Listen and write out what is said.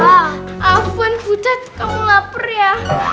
eh apaan butet kamu lapar ya